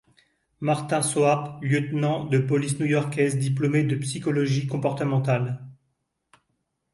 Martin Soap, lieutenant de police new-yorkaise diplômé en psychologie comportementale.